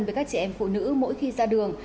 với các trẻ em phụ nữ mỗi khi ra đường